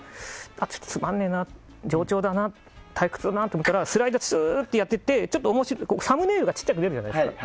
ちょっとつまんねえな、冗長だな退屈だなと思ったらスライドをツーっとやっていってサムネイルが小さく出るじゃないですか。